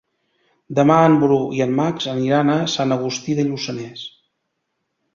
Demà en Bru i en Max aniran a Sant Agustí de Lluçanès.